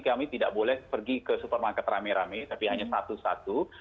kami tidak boleh pergi ke supermarket rame rame tapi hanya satu satu